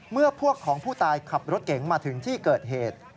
เมื่อพวกของผู้ตายขับรถเก๋งมาถึงที่เกิดเหตุ